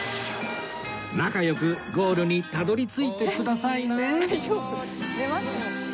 仲良くゴールにたどり着いてくださいね